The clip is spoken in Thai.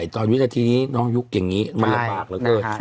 ตอนวิทยาทีนี้น้องยุคอย่างนี้มันเหลือปากแล้วก็